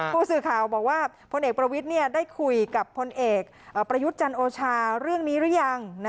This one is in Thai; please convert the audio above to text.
ผู้สื่อข่าวบอกว่าพลเอกประวิทย์ได้คุยกับพลเอกประยุทธ์จันโอชาเรื่องนี้หรือยัง